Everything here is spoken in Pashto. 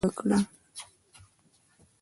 خاد د ګل حمید خان څخه پوښتنې ګروېږنې وکړې